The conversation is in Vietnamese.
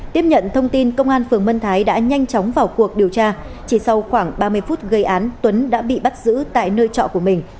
tiếp nhận thông tin công an phường mân thái đã nhanh chóng vào cuộc điều tra chỉ sau khoảng ba mươi phút gây án tuấn đã bị bắt giữ tại nơi trọ của mình